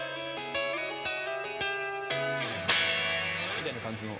みたいな感じの。